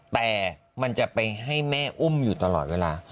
แต่มันจะไปให้แม่อุ้มอยู่ตลอดเวลา